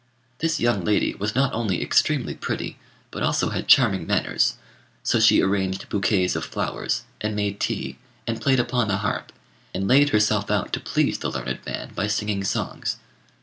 This young lady was not only extremely pretty, but also had charming manners; so she arranged bouquets of flowers, and made tea, and played upon the harp, and laid herself out to please the learned man by singing songs.